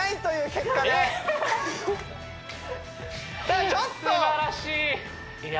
いやちょっとすばらしいいや